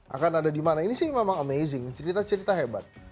akan ada di mana ini sih memang amazing cerita cerita hebat